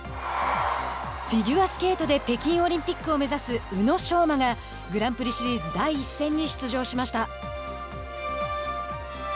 フィギュアスケートで北京オリンピックを目指す宇野昌磨が、グランプリシリーズ第１戦に出場しました。